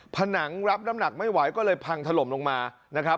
ผนังรับน้ำหนักไม่ไหวก็เลยพังถล่มลงมานะครับ